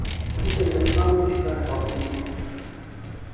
vikundi vya wakulima husaidia wakulima na biashara ya bidhaa zao